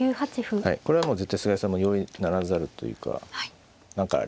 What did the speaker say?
はいこれはもう絶対菅井さんも容易ならざるというか何かあれ？